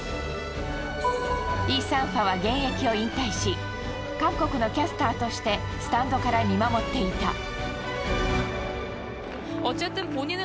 イ・サンファは現役を引退し韓国のキャスターとしてスタンドから見守っていた。